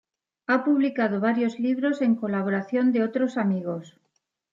Ha publicado varios libros en colaboración de otros amigos.